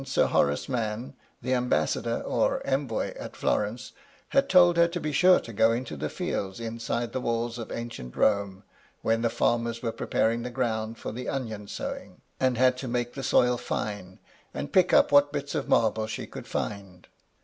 Sir Horace Mann, the Ambassador or Envoy at Florence, had told her to be sure to go into the fields inside the walls of ancient Rome, when the farmers were preparing the ground for the onion sowing, and had to make the soil fine, and pick up what bits of marble she could find.